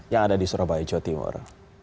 yang ada di surabaya jawa timur